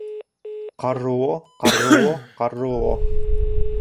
— Ҡарруо, ҡарруо, ҡарруо!..